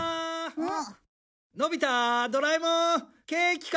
うん。